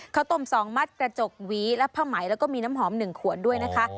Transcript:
ข้าวต้ม๒มัดกระจกหวีและผ้าไหมแล้วก็มีน้ำหอม๑ขวดด้วยนะคะ